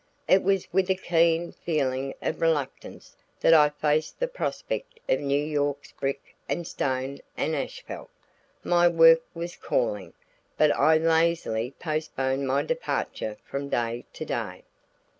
It was with a keen feeling of reluctance that I faced the prospect of New York's brick and stone and asphalt. My work was calling, but I lazily postponed my departure from day to day.